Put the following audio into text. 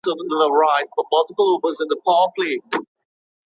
د لاس لیکنه د مثبتو فکرونو د ساتلو لاره ده.